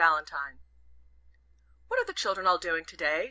VALENTINE "What are the children all doing to day?"